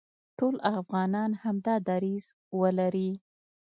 ټول افغانان همدا دریځ ولري،